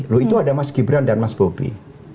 loh itu ada mas gibran dan mas bobi